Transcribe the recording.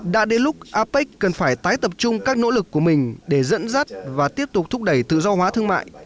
đã đến lúc apec cần phải tái tập trung các nỗ lực của mình để dẫn dắt và tiếp tục thúc đẩy tự do hóa thương mại